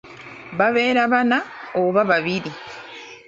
Babeera bana oba babiri.